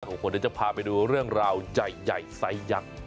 ผมก็จะพาไปดูเรื่องราวใหญ่ใส่ยักษ์